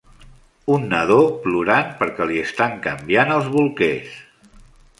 Un nadó plorant perquè li estan canviant els bolquers.